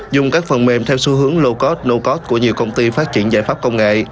dùng các phần mềm theo xu hướng low cost no cost của nhiều công ty phát triển giải pháp công nghệ